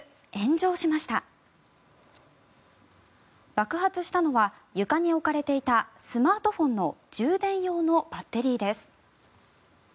爆発したのは床に置かれていたスマートフォンの充電用のバッテリーです。